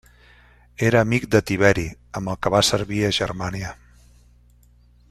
Era amic de Tiberi, amb el que va servir a Germània.